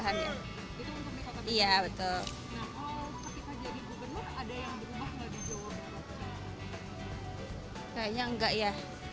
kayaknya nggak ya